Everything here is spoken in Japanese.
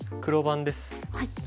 黒番です。